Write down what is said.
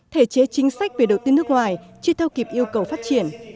thể chế chính sách về đầu tư nước ngoài chưa theo kịp yêu cầu phát triển